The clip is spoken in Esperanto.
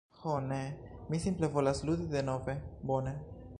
Ho ne, mi simple volas ludi denove. Bone.